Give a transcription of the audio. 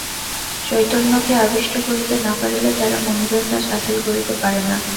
চৈতন্যকে আবিষ্ট করিতে না পারিলে তারা মনিবের কাজ হাসিল করিতে পারে না।